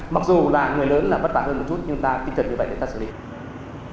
mặc dù là người lớn là bất bản hơn một chút nhưng ta tinh thần như vậy để ta xử lý